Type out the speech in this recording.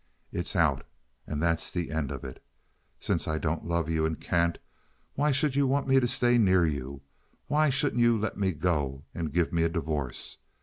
It's out, and that's an end of it. Since I don't love you and can't, why should you want me to stay near you? Why shouldn't you let me go and give me a divorce?